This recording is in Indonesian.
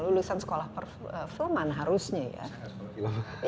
lulusan sekolah perfilman harusnya ya